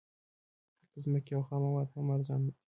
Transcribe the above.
هلته ځمکې او خام مواد هم ارزانه دي